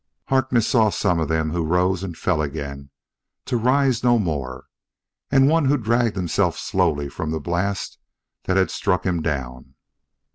Harkness saw some of them who rose and fell again to rise no more, and one who dragged himself slowly from the blast that had struck him down.